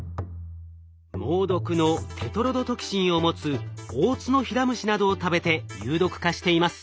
猛毒のテトロドトキシンを持つオオツノヒラムシなどを食べて有毒化しています。